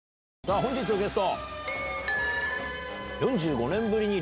本日のゲスト。え！